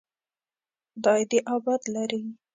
خدای دې آباد لري.